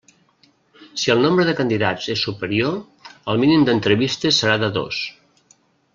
Si el nombre de candidats és superior, el mínim d'entrevistes serà de dos.